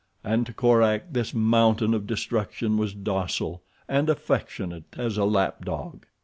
And to Korak this mountain of destruction was docile and affectionate as a lap dog.